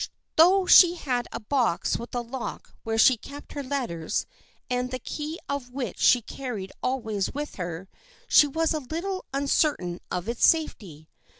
Though she had a box with a lock where she kept her letters and the key of which she carried always with her, she was a little un certain of its safety.